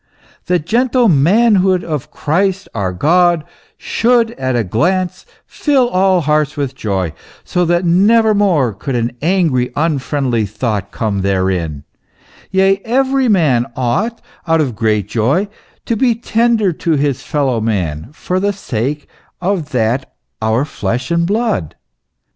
The gentle manhood of Christ our God, should at a glance fill all hearts with joy, so that never more could an angry, unfriendly thought come therein yea, every man ought, out of great joy, to be tender to his fellow man, for the sake of that our flesh and blood."